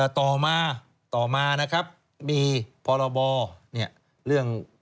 ต่อมานะครับมีพลเรื่อง